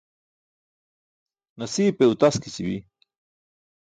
Nasiipe utaskici̇bi.